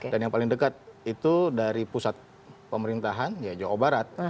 dan yang paling dekat itu dari pusat pemerintahan ya jawa barat